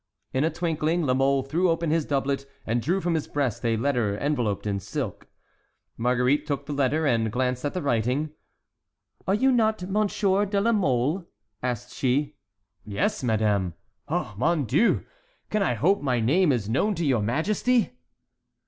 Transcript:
In a twinkling La Mole threw open his doublet, and drew from his breast a letter enveloped in silk. Marguerite took the letter, and glanced at the writing. "Are you not Monsieur de la Mole?" asked she. "Yes, madame. Oh, mon Dieu! Can I hope my name is known to your majesty?"